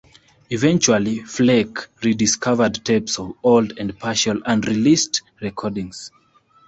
Eventually, Flake re-discovered tapes of old and partial unreleased recordings.